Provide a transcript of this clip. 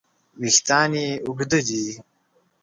وېښتیان یې اوږده دي.